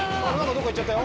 どっか行っちゃった。